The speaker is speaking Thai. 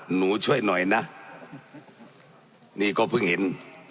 หนูช่วยหน่อยนะนี่ก็เพิ่งเห็น